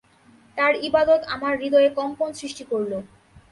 তার ইবাদত আমার হৃদয়ে কম্পন সৃষ্টি করল।